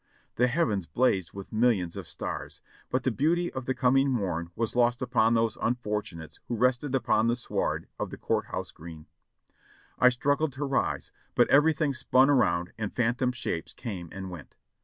The heavens blazed with millions of stars, but the beauty of the coming morn was lost upon those unfortunates who rested upon the sward of the court house green. I struggled to rise, but everything spun around and phantom shapes came and went.